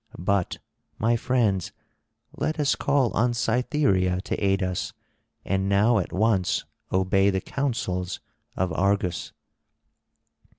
But, my friends, let us call on Cytherea to aid us, and now at once obey the counsels of Argus."